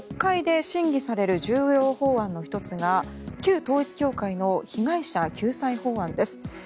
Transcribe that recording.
国会で審議される重要法案の１つが旧統一教会の被害者救済法案です。